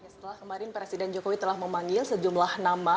setelah kemarin presiden jokowi telah memanggil sejumlah nama